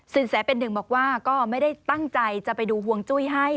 สินแสเป็นหนึ่งบอกว่าก็ไม่ได้ตั้งใจจะไปดูห่วงจุ้ยให้